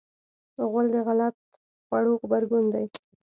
غول د غلط خوړو غبرګون دی.